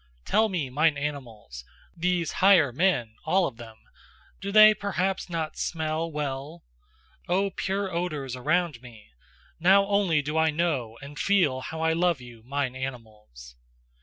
Tell me, mine animals: these higher men, all of them do they perhaps not SMELL well? O pure odours around me! Now only do I know and feel how I love you, mine animals."